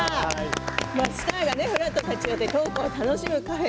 スターがふらっと立ち寄ってトークを楽しむカフェ